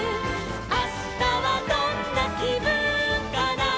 「あしたはどんなきぶんかな」